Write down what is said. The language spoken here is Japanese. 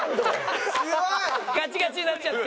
ガチガチになっちゃって。